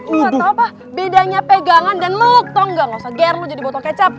lo tau apa bedanya pegangan dan luk tau gak gak usah ger lo jadi botol kecap